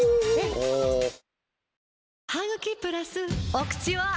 お口は！